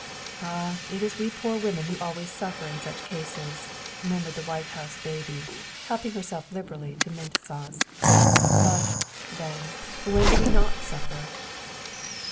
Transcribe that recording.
"Ah, it is we poor women who always suffer in such cases," murmured the White House Baby, helping her THE SECRETARY OF STATE 197 self liberally to mint sauce, " but, then, when do we not suffer?"